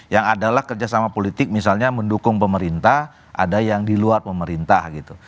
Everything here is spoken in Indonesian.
yang adalah kerjasama politik misalnya mendukung pemerintah ada yang di luar pemerintah gitu